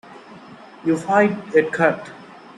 You fight it cut.